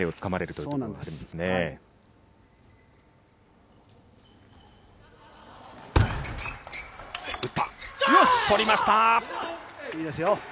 いいですよ。